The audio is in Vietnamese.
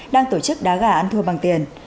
đang tổ chức đá gà ăn thua bằng tiền